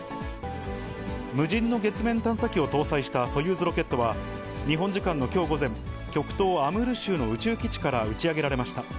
無人の月面探査機を搭載したソユーズロケットは日本時間のきょう午前、極東アムール州の宇宙基地から打ち上げられました。